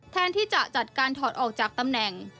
แทนที่จะจัดการถอดออกจากตำแหน่ง